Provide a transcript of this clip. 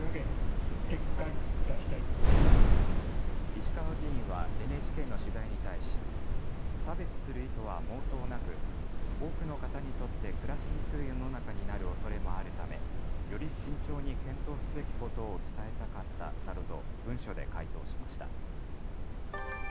石川議員はＮＨＫの取材に対し差別する意図は毛頭なく、多くの方にとって暮らしにくい世の中になるおそれもあるためより慎重に検討すべきことを伝えたかったなどと文書で回答しました。